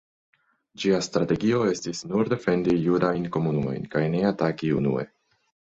Ĝia strategio estis nur defendi judajn komunumojn kaj ne ataki unue.